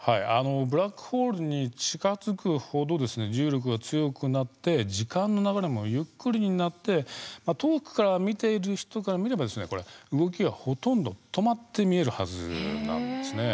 ブラックホールに近づくほど重力が強くなって時間の流れもゆっくりになって遠くから見ている人から見れば動きがほとんど止まって見えるはずなんです。